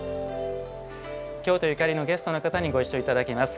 京都ゆかりのゲストの方にご一緒頂きます。